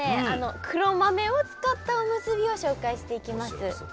黒豆を使ったおむすびを紹介していきます。